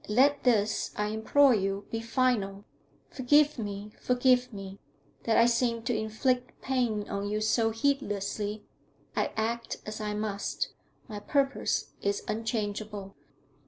Let this, I implore you, be final. Forgive me, forgive me, that I seem to inflict pain on you so heedlessly. I act as I must; my purpose is unchangeable.'